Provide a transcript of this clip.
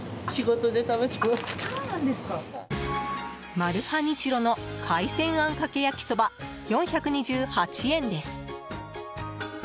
マルハニチロの海鮮あんかけ焼そば４２８円です。